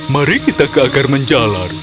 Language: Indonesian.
mari kita ke agar menjalar